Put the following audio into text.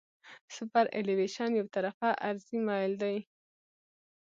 سوپرایلیویشن یو طرفه عرضي میل دی